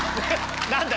何だ？